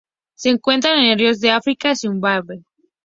Se encuentran en ríos de África: Zimbabue.